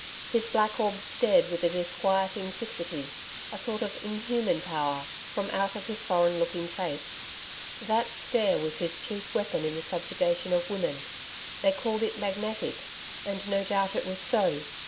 His black orbs stared with a disquieting fixity a sort of inhuman power from out of his foreign looking face. That stare was his chief weapon in the subjugation of women they called it magnetic, and no doubt it was so.